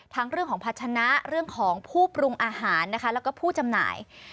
เรื่องของพัชนะเรื่องของผู้ปรุงอาหารนะคะแล้วก็ผู้จำหน่าย